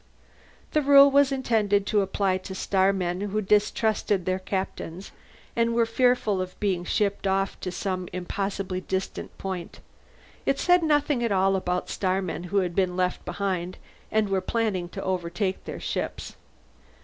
The rule was intended to apply to starmen who distrusted their captains and were fearful of being shipped off to some impossibly distant point; it said nothing at all about starmen who had been left behind and were planning to overtake their ships.